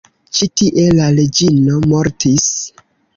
Ĉi-tie la reĝino mortis.